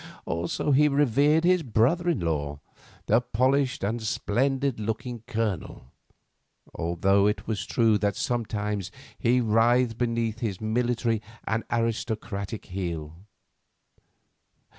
Also he revered his brother in law, the polished and splendid looking Colonel, although it was true that sometimes he writhed beneath his military and aristocratic heel.